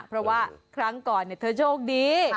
เพราะว่าครั้งก่อนเธอโชคดี